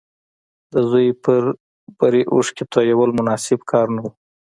د زوی پر بري اوښکې تويول مناسب کار نه و